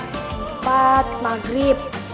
yang keempat maghrib